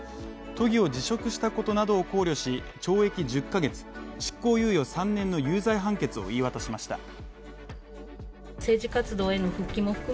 都議を辞職したことなどを考慮し、懲役１０カ月執行猶予３年の有罪判決を言い渡しました。